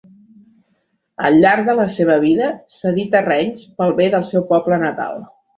Al llarg de la seva vida cedí terrenys pel bé del seu poble natal.